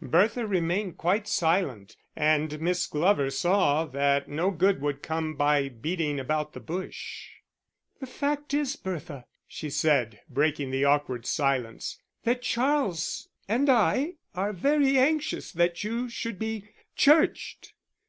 Bertha remained quite silent and Miss Glover saw that no good would come by beating about the bush. "The fact is, Bertha," she said, breaking the awkward silence, "that Charles and I are very anxious that you should be churched.